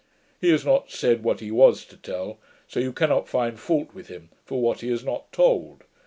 He has not said what he was to tell; so you cannot find fault with him, for what he has not told.